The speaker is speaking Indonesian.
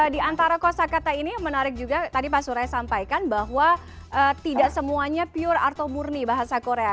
di antara kosa kata ini menarik juga tadi pak surai sampaikan bahwa tidak semuanya pure atau murni bahasa korea